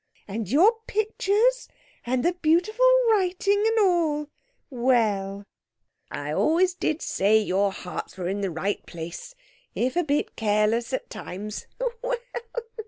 And your pictures and the beautiful writing and all. Well, I always did say your hearts was in the right place, if a bit careless at times.